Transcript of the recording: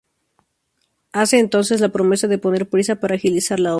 Hace entonces la promesa de poner prisa para agilizar la obra.